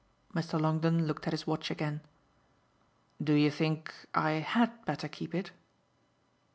Mr. Longdon looked at his watch again. "Do you think I HAD better keep it?"